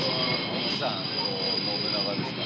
奥さんと信長ですかね。